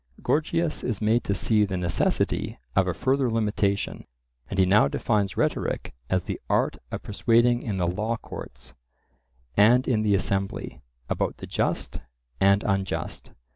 Gorgias is made to see the necessity of a further limitation, and he now defines rhetoric as the art of persuading in the law courts, and in the assembly, about the just and unjust.